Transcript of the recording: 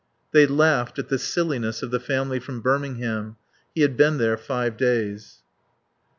They laughed at the silliness of the family from Birmingham. He had been there five days.